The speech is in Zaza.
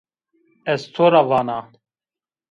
Ez to ra vana